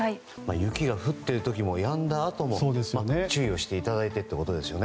雪が降ってる時もやんだあとも注意をしていただいてということなんですよね。